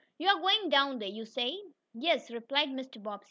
You are going down there, you say?" "Yes," replied Mr. Bobbsey.